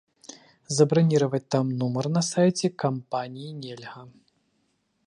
Забраніраваць там нумар на сайце кампаніі нельга.